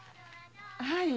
はい。